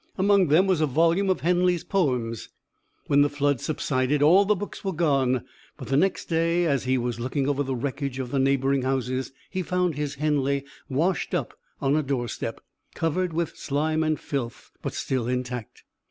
Among them was a volume of Henley's poems. When the flood subsided all the books were gone, but the next day as he was looking over the wreckage of neighbouring houses he found his Henley washed up on a doorstep covered with slime and filth but still intact.